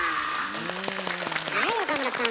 はい岡村さん